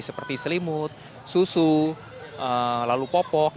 seperti selimut susu lalu popok